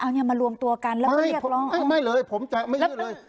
เอาเนี่ยมารวมตัวกันแล้วไม่เรียกร้องไม่เลยผมจะไม่เลือกเลย